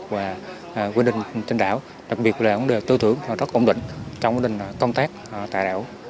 và quy định trên đảo đặc biệt là tư thưởng rất ổn định trong quy định công tác tại đảo